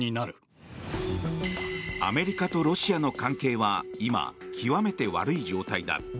アメリカとロシアの関係は今、極めて悪い状態だ。